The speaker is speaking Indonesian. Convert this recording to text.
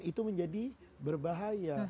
itu menjadi berbahaya